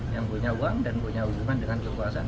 yang punya uang dan punya hubungan dengan kekuasaan